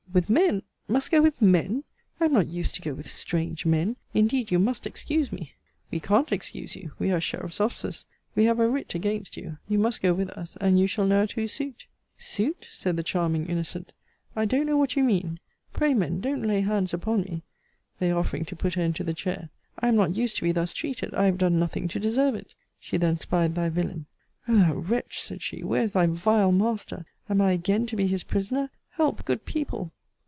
With men! Must go with men! I am not used to go with strange men! Indeed you must excuse me! We can't excuse you. We are sheriff's officers, We have a writ against you. You must go with us, and you shall know at whose suit. Suit! said the charming innocent; I don't know what you mean. Pray, men, don't lay hands upon me; (they offering to put her into the chair.) I am not used to be thus treated I have done nothing to deserve it. She then spied thy villain O thou wretch, said she, where is thy vile master? Am I again to be his prisoner? Help, good people!